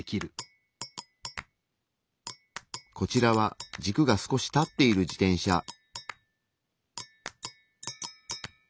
こちらは軸が少し立っている自転車。